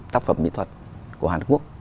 tác phẩm mỹ thuật của hàn quốc